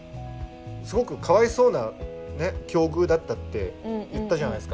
すごくかわいそうな境遇だったって言ったじゃないですか。